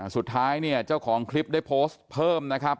สุดท้ายเนี่ยเจ้าของคลิปได้โพสต์เพิ่มนะครับ